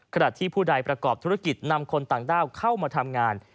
ขณะที่ผู้ใดประกอบธุรกิจนำคนต่างด้าวเข้ามาทำงาน